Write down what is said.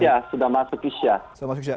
ya sudah masuk isya